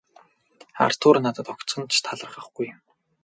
Артур надад огтхон ч талархахгүй юм.